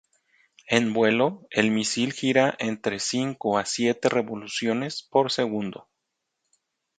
En vuelo, el misil gira entre cinco a siete revoluciones por segundo.